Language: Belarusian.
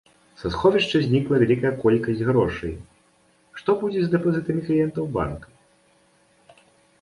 Са сховішча знікла вялікая колькасць грошай, што будзе з дэпазітамі кліентаў банка?